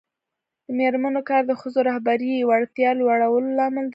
د میرمنو کار د ښځو رهبري وړتیا لوړولو لامل دی.